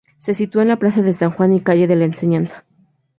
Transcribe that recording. Se sitúa en la Plaza de San Juan y calle de la Enseñanza.